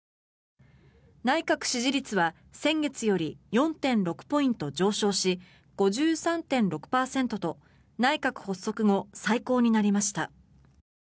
内閣支持率は先月より４．６ポイント上昇し５３．６％と内閣発足後最高になりました。